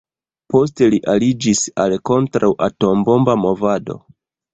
Poste li aliĝis al kontraŭ-atombomba movado.